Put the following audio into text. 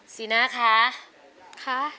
สีหน้าค่ะค่ะ